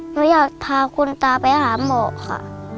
หนูอยากพาคุณตาไปหาหมอค่ะ